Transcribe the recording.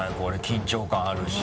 緊張感あるし。